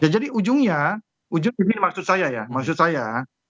jadi ujungnya ujungnya ini maksud saya ya maksud saya